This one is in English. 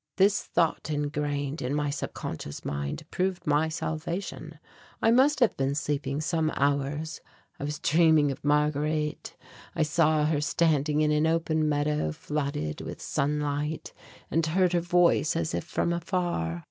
This thought ingrained in my subconscious mind proved my salvation. I must have been sleeping some hours. I was dreaming of Marguerite. I saw her standing in an open meadow flooded with sunlight; and heard her voice as if from afar.